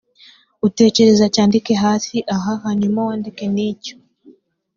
utekereza cyandike hasi aha hanyuma wandike n icyo